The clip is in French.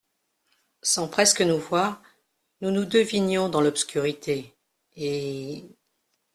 Sans presque nous voir, nous nous devinions dans l’obscurité, et…